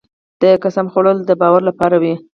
د قسم خوړل د باور لپاره وي.